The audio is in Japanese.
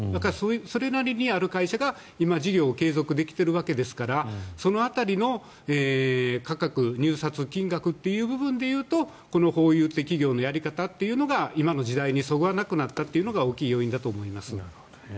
それなりにある会社が今事業継続できているわけですからその辺りの価格入札金額という部分でいうとこのホーユーという企業のやり方というのが今の時代にそぐわなくなったというのが大きい要因だと思います。